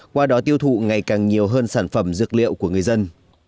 qua đó tiêu thụ ngày càng nhiều hơn sản phẩm dược liệu của người dân